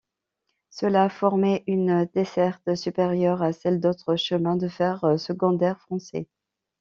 Cela formait une desserte supérieure à celle d'autres chemins de fer secondaires français.